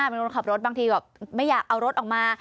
เป็นคนขับรถบางทีแบบไม่อยากเอารถออกมา